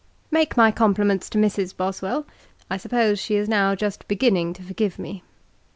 'Make my compliments to Mrs. Boswell: I suppose she is now just beginning to forgive me.